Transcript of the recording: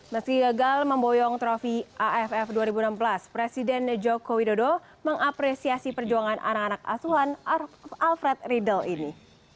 meski gagal memboyong trofi aff dua ribu enam belas presiden joko widodo mengapresiasi perjuangan anak anak asuhan alfred riedel ini